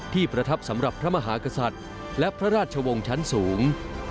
ประทับสำหรับพระมหากษัตริย์และพระราชวงศ์ชั้นสูง